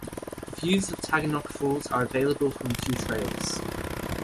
Views of Taughannock Falls are available from two trails.